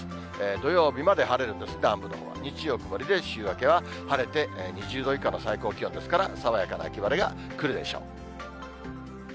土曜日まで晴れるんですが、南部のほうは日曜日は週明けは晴れて２０度以下の最高気温ですから、爽やかな秋晴れが来るでしょう。